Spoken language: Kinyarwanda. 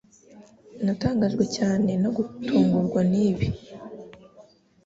Natangajwe cyane no gutungurwa nibi.